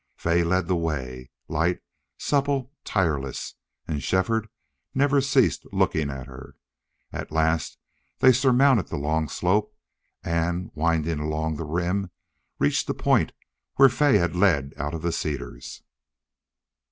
Fay led the way, light, supple, tireless, and Shefford never ceased looking at her. At last they surmounted the long slope and, winding along the rim, reached the point where Fay had led out of the cedars.